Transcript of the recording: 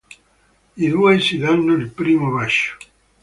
I due si danno il primo bacio.